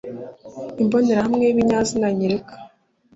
imbonerahamwe y ibinyazina nyereka